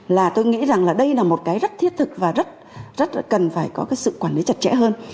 là tôi nghĩ rằng là đây là một cái rất thiết thực và rất là cần phải có cái sự quản lý chặt chẽ hơn